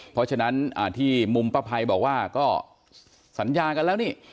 เพราะฉะนั้นที่มุมป้าภัยบอกว่าก็สัญญากันแล้วนี่